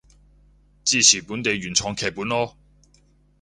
支持本地原創劇本囉